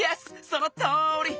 そのとおり！